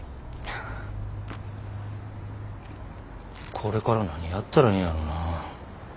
これから何やったらええんやろなぁ。